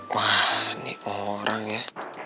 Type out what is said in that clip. wah nih orang ya